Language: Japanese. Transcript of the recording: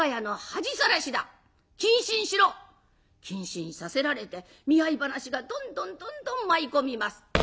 謹慎させられて見合い話がどんどんどんどん舞い込みます。